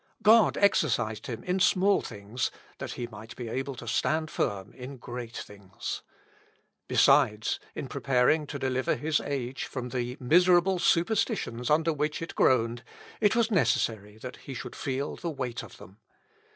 God exercised him in small things that he might be able to stand firm in great things. Besides, in preparing to deliver his age from the miserable superstitions under which it groaned, it was necessary that he should feel the weight of them.